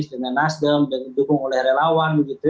dengan nasdem dengan dukungan oleh relawan